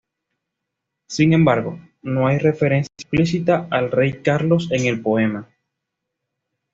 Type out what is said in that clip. Sin embargo, no hay referencia explícita al rey Carlos en el poema.